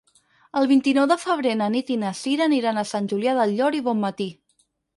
El vint-i-nou de febrer na Nit i na Sira aniran a Sant Julià del Llor i Bonmatí.